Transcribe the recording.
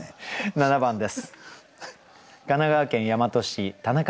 ７番です。